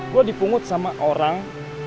gue dipungut sama orang